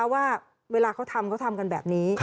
ว่าเวลาเขาทำเขาทำกันแบบนี้